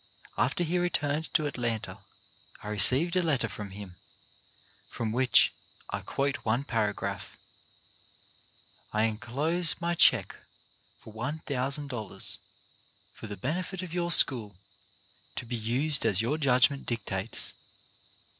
After he returned to Atlanta I received a letter from him from which I quote one paragraph: "I enclose my check for $1,000, for the benefit of your school, to be used as your judgment dic tates.